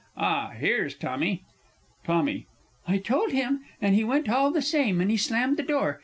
Ah, here's Tommy! TOMMY. I told him but he went all the same, and slammed the door.